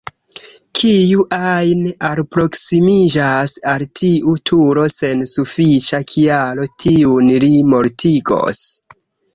Kiu ajn alproksimiĝas al tiu turo sen sufiĉa kialo, tiun li mortigos.